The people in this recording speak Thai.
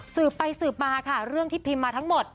สืบไปสืบมาค่ะเรื่องที่พิมพ์มาทั้งหมด